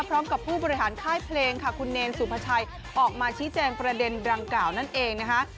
ผู้บริหารค่ายเพลงค่ะคุณเนรสุภาชัยออกมาชี้แจงประเด็นดังกล่าวนั่นเองนะคะ